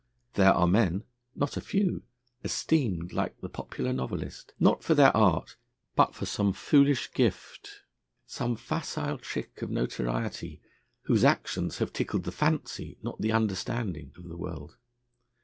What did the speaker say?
There are men, not a few, esteemed, like the popular novelist, not for their art but for some foolish gift, some facile trick of notoriety, whose actions have tickled the fancy, not the understanding of the world.